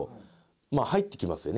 まあ入ってきますよね